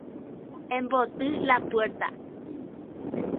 Emboty la puerta.